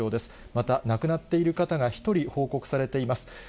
また亡くなっている方が１人報告されています。